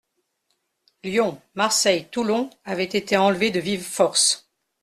Lyon, Marseille, Toulon avaient été enlevés de vive force.